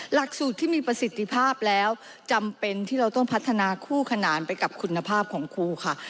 หลักสูตรที่มีประสิทธิภาพแล้วจำเป็นที่เราต้องพัฒนาคู่ขนานไปกับคุณภาพของครูค่ะ